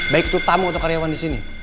baik itu tamu atau karyawan disini